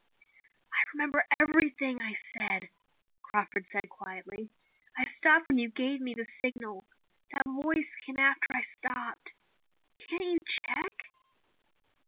"I remember everything I said," Crawford said quietly. "I stopped when you gave me the signal. That voice came after I stopped. Can't you check